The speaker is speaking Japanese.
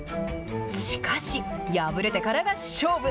しかし、破れてからが勝負。